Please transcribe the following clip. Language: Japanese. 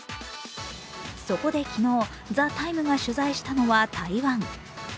そこで昨日、「ＴＨＥＴＩＭＥ，」が取材したのは台湾。